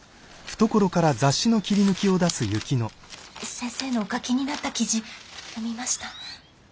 先生のお書きになった記事読みました。